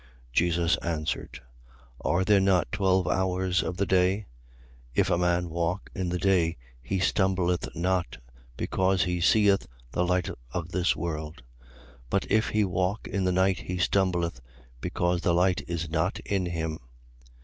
11:9. Jesus answered: Are there not twelve hours of the day? If a man walk in the day he stumbleth not, because he seeth the light of this world: 11:10. But if he walk in the night, he stumbleth, because the light is not in him.